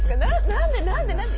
⁉何で何で何で？